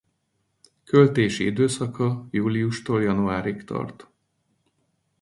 Költési időszaka júliustól januárig tart.